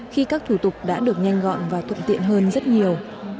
khi các thủ tục đã được nhanh gọn và thuận tiện hơn rất nhiều